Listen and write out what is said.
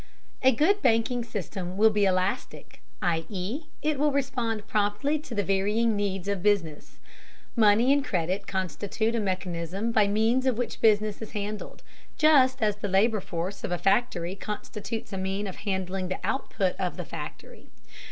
A good banking system will be elastic, i.e. it will respond promptly to the varying needs of business. Money and credit constitute a mechanism by means of which business is handled, just as the labor force of a factory constitutes a means of handling the output of the factory.